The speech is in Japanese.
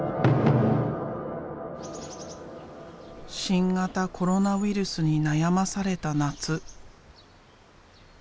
新型コロナウイルスに悩まされた夏。